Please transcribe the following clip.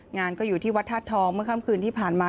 งานก็อยู่ที่วัดธาตุทองเมื่อค่ำคืนที่ผ่านมา